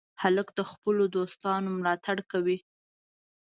هلک د خپلو دوستانو ملاتړ کوي.